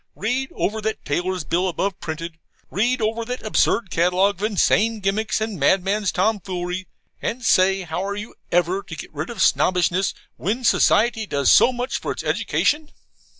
read over that tailor's bill above printed, read over that absurd catalogue of insane gimcracks and madman's tomfoolery and say how are you ever to get rid of Snobbishness when society does so much for its education?